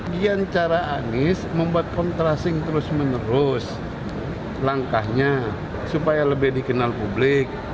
gian cara anies membuat kontrasing terus menerus langkahnya supaya lebih dikenal publik